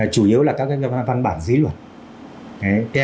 chủ yếu là các văn bản dưới luật